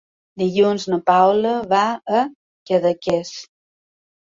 Dilluns na Paula va a Cadaqués.